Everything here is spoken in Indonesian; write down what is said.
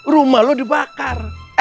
rumah lu dibakar